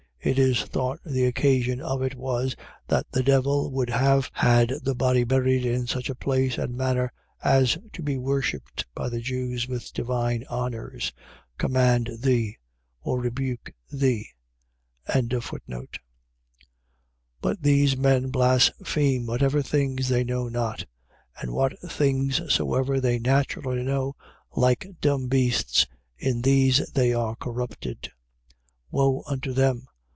It is thought the occasion of it was, that the devil would have had the body buried in such a place and manner, as to be worshipped by the Jews with divine honours. Command thee. . .or rebuke thee. 1:10. But these men blaspheme whatever things they know not: and what things soever they naturally know, like dumb beasts, in these they are corrupted. 1:11. Woe unto them!